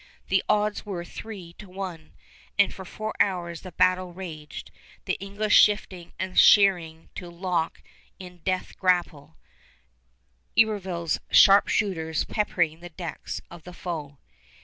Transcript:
The odds were three to one, and for four hours the battle raged, the English shifting and sheering to lock in death grapple, Iberville's sharpshooters peppering the decks of the foe.